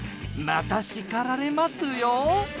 また叱られますよ。